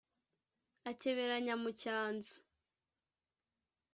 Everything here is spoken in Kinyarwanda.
akeberanya mu cyanzu